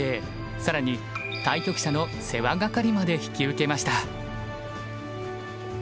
更に対局者の世話係まで引き受けました。